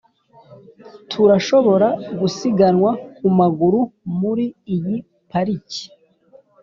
turashobora gusiganwa ku maguru muri iyi parike?